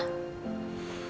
keadaan gak punya